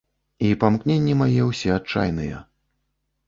І памкненні мае ўсе адчайныя.